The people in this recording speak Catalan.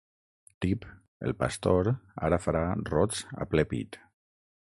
Tip, el pastor ara farà rots a ple pit.